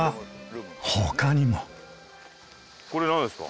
これなんですか？